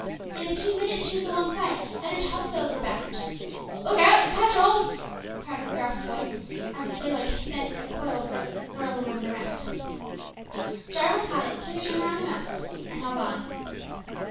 In a few minutes she was alongside, and her topsails were backed. "Look out! catch hold!" cried a gruff voice, as a sailor sent a coil of rope whirling over the raft. Jarwin caught it, took a turn round the mast, and held on.